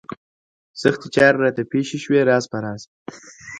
سختې چارې راته پېښې شوې راز په راز.